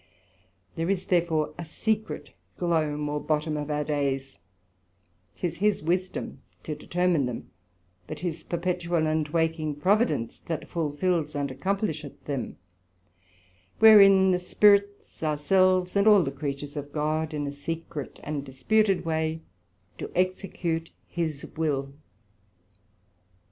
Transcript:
There is therefore a secret glome or bottome of our days: 'twas his wisdom to determine them, but his perpetual and waking providence that fulfils and accomplisheth them; wherein the spirits, our selves, and all the creatures of God in a secret and disputed way do execute his will.